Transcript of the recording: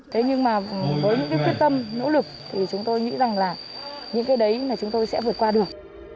thế nhưng mà với những cái quyết tâm nỗ lực thì chúng tôi nghĩ rằng là những cái đấy mà chúng tôi sẽ vượt qua được